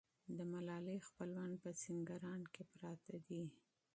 د ملالۍ خپلوان په سینګران کې پراته دي.